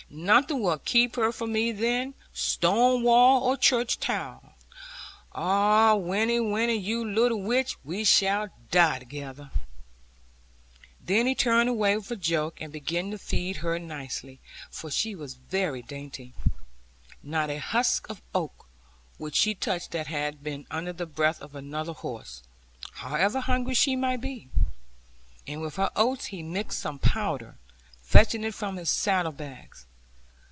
Nothing will keep her from me then, stone wall or church tower. Ah, Winnie, Winnie, you little witch, we shall die together.' Then he turned away with a joke, and began to feed her nicely, for she was very dainty. Not a husk of oat would she touch that had been under the breath of another horse, however hungry she might be. And with her oats he mixed some powder, fetching it from his saddle bags.